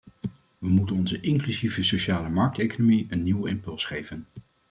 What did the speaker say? We moeten onze inclusieve sociale markteconomie een nieuwe impuls geven.